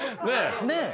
ねえ？